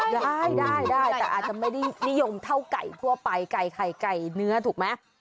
ได้ได้แต่อาจจะไม่ได้นิยมเท่าไก่ทั่วไปไก่ไข่ไก่เนื้อถูกไหม